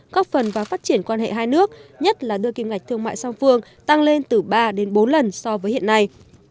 góp phần vào phát triển quan hệ hai nước nhất là đưa kim ngạch thương mại song phương tăng lên từ ba đến bốn lần so với hiện nay